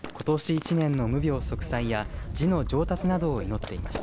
１年の無病息災や字の上達などを祈っていました。